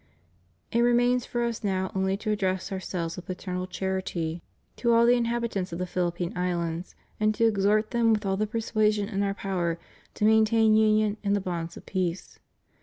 It remains for Us now only to address Ourselves with paternal charity to all the inhabitants of the Philippine Islands, and to exhort them with all the persuasion in Our power to maintain union in the bonds of peace.